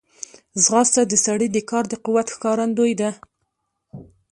ځغاسته د سړي د کار د قوت ښکارندوی ده